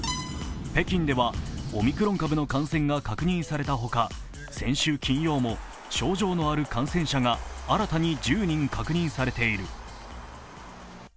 北京ではオミクロン株の感染が確認されたほか、先週金曜も症状のある感染者が新たに１０人確認されている。